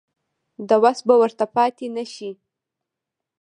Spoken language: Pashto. د وس به ورته پاتې نه شي.